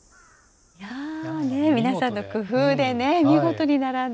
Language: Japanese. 皆さんの工夫でね、見事に並んで。